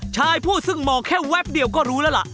ชายผู้ซึ่งมองแค่แวบเดียวก็รู้แล้วล่ะ